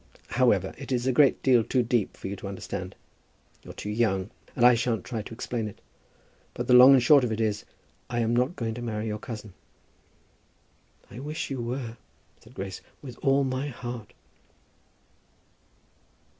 However, it is a great deal too deep for you to understand. You're too young, and I shan't try to explain it. But the long and the short of it is, I am not going to marry your cousin." "I wish you were," said Grace, "with all my heart."